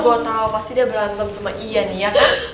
gue tau pasti dia berantem sama iyan ya